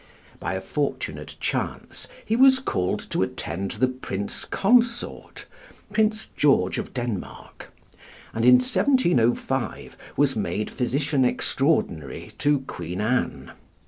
By a fortunate chance he was called to attend the Prince Consort (Prince George of Denmark), and in 1705 was made Physician Extraordinary to Queen Anne.